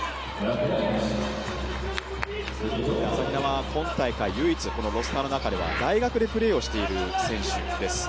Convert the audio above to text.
朝比奈は今大会唯一ロースターの中では大学でプレーをしている選手です。